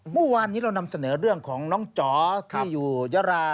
เมื่อวานนี้เรานำเสนอเรื่องของน้องจ๋อที่อยู่ยารา